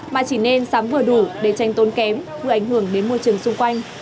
mà chỉ nên sắm vừa đủ để tranh tốn kém vừa ảnh hưởng đến môi trường xung quanh